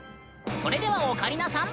それではオカリナさん